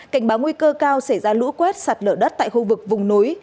cảnh báo nguy cơ cao xảy ra lũ quét sạt lở đất tại khu vực vùng núi